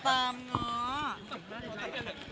เดือนเครื่องน้า